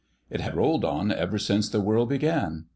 It had rolled on, ever since the world began.